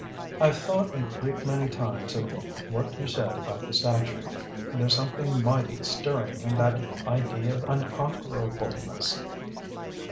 I've thought a great many times of what you said about the statue. There's something mighty stirring in that idea of unconquerableness."